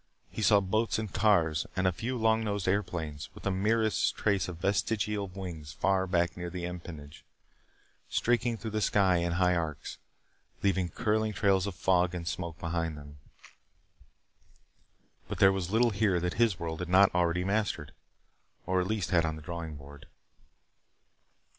He saw boats and cars and a few long nosed airplanes, with the merest trace of vestigial wings far back near the empennage, streaking through the sky in high arcs, leaving curling trails of fog and smoke behind them. But there was little here that his world had not already mastered or at least had on the drawing board.